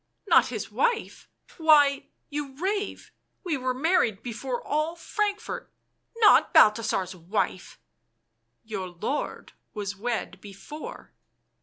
" Not his wife ... why, you rave ... we were married before all Frankfort ... not Balthasar's wife !"" Your lord was wed before."